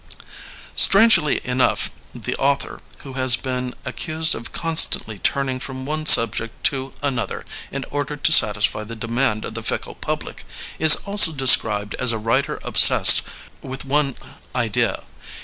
Strangely enough, the author, who has been ac cused of constantly turning from one subject to another in order to satisfy the demand of the fickle public, is also described as a writer obsessed l^ one idea.